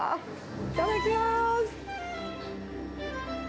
いただきます。